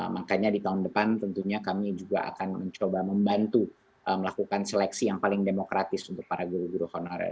makanya di tahun depan tentunya kami juga akan mencoba membantu melakukan seleksi yang paling demokratis untuk para guru guru honorer